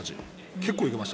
結構、いけました。